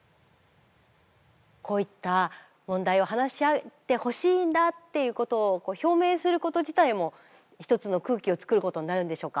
こういった問題を話し合ってほしいんだっていうことを表明すること自体も一つの空気をつくることになるんでしょうか高瀬さん。